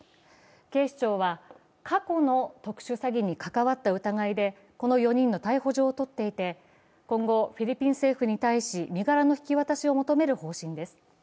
警視庁は過去の特殊詐欺に関わった疑いでこの４人の逮捕状を取っていて、今後、フィリピン政府に対し身柄の引き渡しを求める方針です。